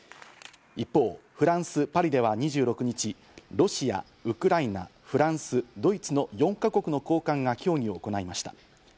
一方、フランス・パリでは２６日、ロシア、ウクライナ、フランス、ドイツの４か国の高官が協議を行いました。